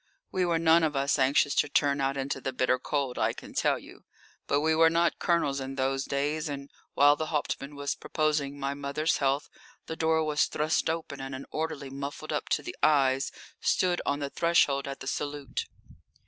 We were none of us anxious to turn out into the bitter cold, I can tell you. But we were not colonels in those days, and while the Hauptmann was proposing my mother's health the door was thrust open and an orderly muffled up to the eyes stood on the threshold at the salute.